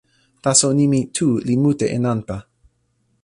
taso nimi "tu" li mute e nanpa.